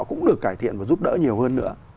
cũng được cải thiện và giúp đỡ nhiều hơn nữa